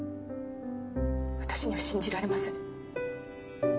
私には信じられません。